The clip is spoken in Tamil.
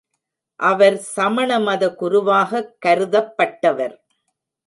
அவர் சமண மத குருவாகக் கருதப்பட்டவர்.